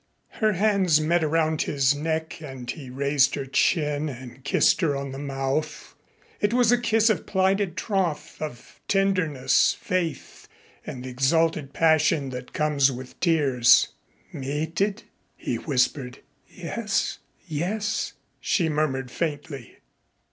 Her hands met around his neck and he raised her chin and kissed her on the mouth. It was a kiss of plighted troth, of tenderness, faith and the exalted passion that comes with tears. "Mated?" he whispered. "Yes yes," she murmured faintly.